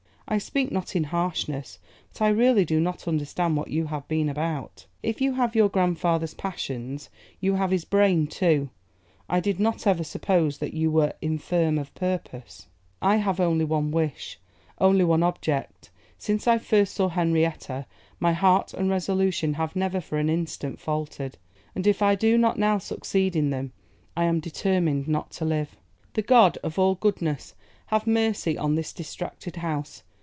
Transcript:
I speak not in harshness; but I really do not understand what you have been about. If you have your grandfather's passions, you have his brain too. I did not ever suppose that you were "infirm of purpose."' 'I have only one wish, only one object. Since I first saw Henrietta, my heart and resolution have never for an instant faltered; and if I do not now succeed in them I am determined not to live.' 'The God of all goodness have mercy on this distracted house!